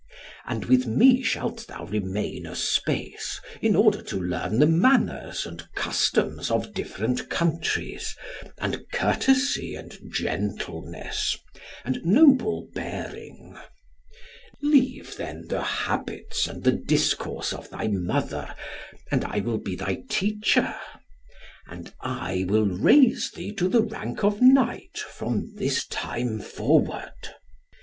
And with me shalt thou remain a space, in order to learn the manners and customs of different countries, and courtesy, and gentleness, and noble bearing. Leave, then, the habits and the discourse of thy mother, and I will be thy teacher; and I will raise thee to the rank of knight from this time forward.